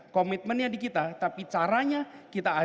komitmennya di kita tapi caranya kita ajak mereka